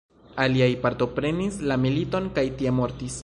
Aliaj partoprenis la militon kaj tie mortis.